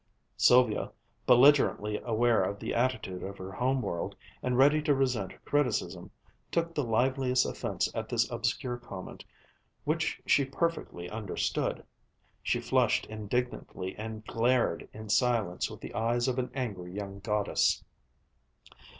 Sylvia, belligerently aware of the attitude of her home world, and ready to resent criticism, took the liveliest offense at this obscure comment, which she perfectly understood. She flushed indignantly and glared in silence with the eyes of an angry young goddess.